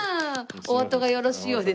おあとがよろしいようで。